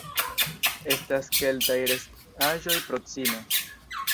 Estas keltaj restaĵoj proksime.